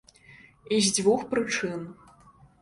І з дзвюх прычын.